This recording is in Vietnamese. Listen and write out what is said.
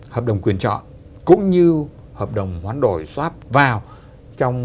hợp đồng quyền chọn cũng như hợp đồng hoán đổi swap vào